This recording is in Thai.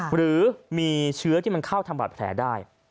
หรือมีเชื้อที่มันเข้าทำบัตรแผลได้